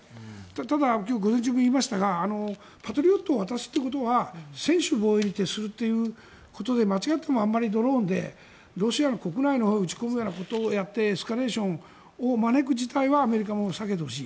ただ、午前中も言いましたがパトリオットを渡すということは専守防衛に徹するということで間違ってもあまりドローンでロシアの国内に撃ち込むみたいなことをやってエスカレーションを招く事態はアメリカも避けてほしい。